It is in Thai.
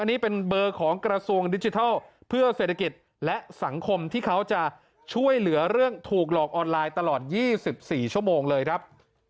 อันนี้เป็นเบอร์ของกระทรวงดิจิทัลเพื่อเศรษฐกิจและสังคมที่เขาจะช่วยเหลือเรื่องถูกหลอกออนไลน์ตลอด๒๔ชั่วโมงเลยครับ